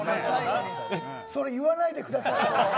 それ言わないでくださいよ。